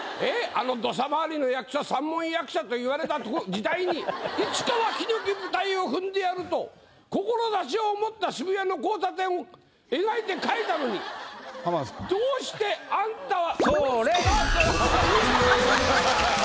あのドサ回りの役者三文役者といわれた時代にいつかは檜舞台を踏んでやると志を持った渋谷の交差点を描いて書いたのにどうしてあんたは。